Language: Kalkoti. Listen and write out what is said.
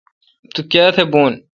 تو کایتھ بھو۔